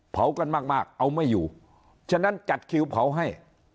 เผากันมากมากเอาไม่อยู่ฉะนั้นจัดคิวเผาให้